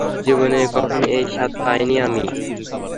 জীবনে কখনো এই স্বাদ পাইনি আমি।